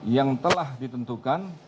yang telah ditentukan